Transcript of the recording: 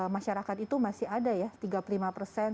masyarakat itu memiliki pola yang ada di masyarakat